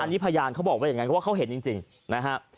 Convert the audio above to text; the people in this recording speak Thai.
อันนี้พยานเขาบอกว่าอย่างนั้นเพราะว่าเขาเห็นจริงนะฮะ